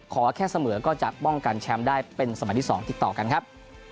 ขอแค่เสมอก็จะป้องกันแชมป์ได้เป็นสมัยที่๒ติดต่อกันครับ